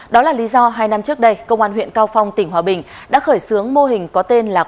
đó là lý do hai năm trước đây công an huyện cao phong tỉnh hòa bình đã khởi xướng mô hình có tên là